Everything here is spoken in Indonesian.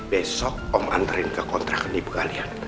besok om anterin ke kontrakan ibu kalian